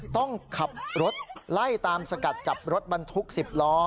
ต้องขับรถไล่ตามสกัดจับรถบรรทุก๑๐ล้อ